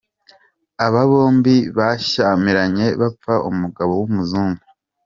Aba bombi bashyamiranye bapfa umugabo w’umuzungu.